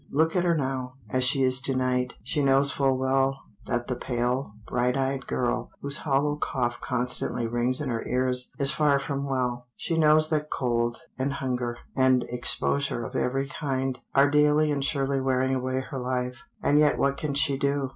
Look at her now, as she is to night. She knows full well that the pale, bright eyed girl, whose hollow cough constantly rings in her ears, is far from well. She knows that cold, and hunger, and exposure of every kind, are daily and surely wearing away her life. And yet what can she do?